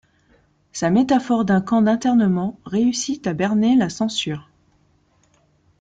Sa métaphore d'un camp d'internement réussit à berner la censure.